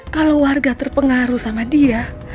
kalau warga terpengaruh sama dia